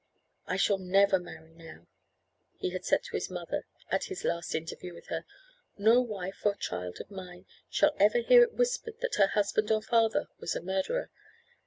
"I shall never marry now," he had said to his mother, at his last interview with her. "No wife or child of mine shall ever hear it whispered that her husband or father was a murderer.